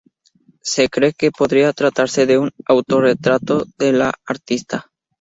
Se cree que podría tratarse de un autorretrato de la artista.